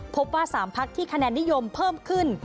พบว่า๓พักที่คะแนนนิยมเพิ่มขึ้น